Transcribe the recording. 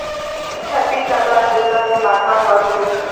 ټپي ته باید د زخم مرهم ورکړو.